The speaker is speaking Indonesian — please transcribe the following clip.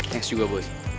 thanks juga boy